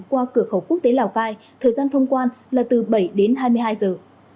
qua cửa khẩu quốc tế lào cai thời gian thông quan là từ bảy đến hai mươi hai giờ